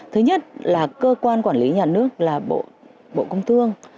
thứ nhất là cơ quan quản lý nhà nước là bộ công thương